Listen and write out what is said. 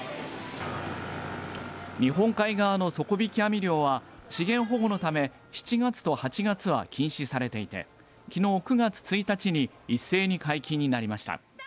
日本海側の底引き網漁は資源保護のため７月と８月は禁止されていてきのう９月１日に一斉に解禁になりました。